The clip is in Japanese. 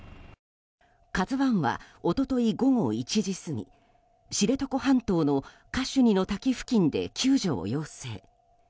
「ＫＡＺＵ１」は一昨日午後１時過ぎ知床半島のカシュニの滝付近で救助を要請。